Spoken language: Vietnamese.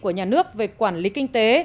của nhà nước về quản lý kinh tế